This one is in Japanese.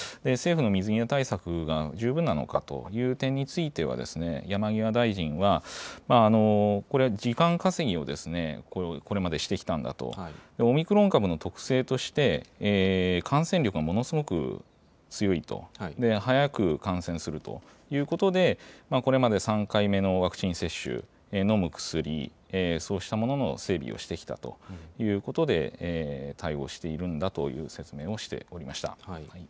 政府の水際対策が十分なのかという点については、山際大臣は、これ、時間稼ぎをこれまでしてきたんだと、オミクロン株の特性として、感染力がものすごく強いと、早く感染するということで、これまで３回目のワクチン接種、飲む薬、そうしたものの整備をしてきたということで、対応しているんだという説明をしておりました。